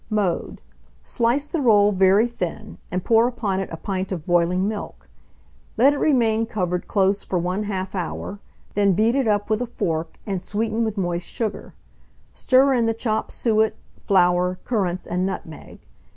Mode. Slice the roll very thin, and pour upon it a pint of boiling milk; let it remain covered close for 1/4 hour, then beat it up with a fork, and sweeten with moist sugar; stir in the chopped suet, flour, currants, and nutmeg.